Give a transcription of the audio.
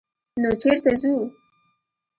_نو چېرته ځو؟